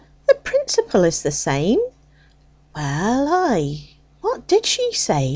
"The principle is the same." "Well ay: what did she say?